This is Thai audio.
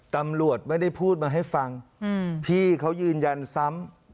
ตำรวจไม่ได้พูดมาให้ฟังพี่เขายืนยันซ้ำ